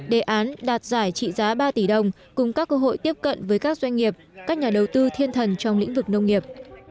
đề án đạt giải trị giá ba tỷ đồng cùng các cơ hội tiếp cận với các doanh nghiệp các nhà đầu tư thiên thần trong lĩnh vực nông nghiệp